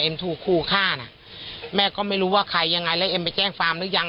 ถูกครูฆ่าน่ะแม่ก็ไม่รู้ว่าใครยังไงแล้วเอ็มไปแจ้งความหรือยัง